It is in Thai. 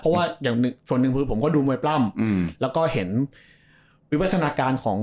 เพราะว่าอย่างส่วนหนึ่งคือผมก็ดูมวยปล้ำแล้วก็เห็นวิวัฒนาการของ